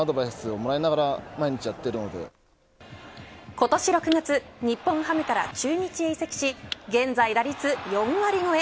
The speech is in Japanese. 今年６月日本ハムから中日へ移籍し現在、打率４割超え。